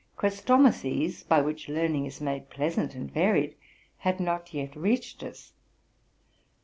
Chrestomathies, by which learn ing is made pleasant and varied, had not yet reached us.